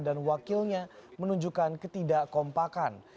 dan wakilnya menunjukkan ketidak kompakan